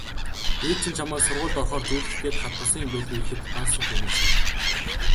"Ээж чинь чамайг сургуульд орохоор зүүлгэх гээд хадгалсан юм байлгүй" гэхэд Гансүх үнэмшив.